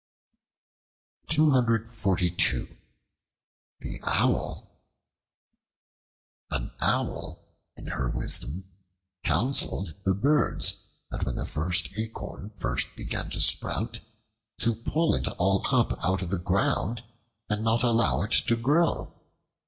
The Owl and the Birds AN OWL, in her wisdom, counseled the Birds that when the acorn first began to sprout, to pull it all up out of the ground and not allow it to grow.